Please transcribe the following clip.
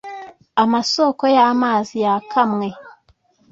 amasoko yamazi yakamwe.